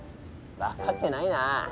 分かってないな。